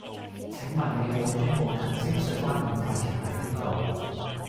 請問你有無聽過近清水灣五塊田喺邊度